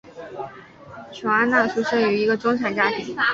琼安娜出生于一个中产家庭。